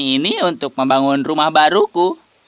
ini untuk membangun rumah baruku